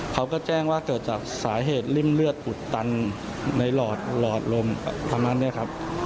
เขาก็แจ้งว่าเป็นสาเหตุลึกเลือดอุดตันในหลอดลมความนั้นเนี่ยครับ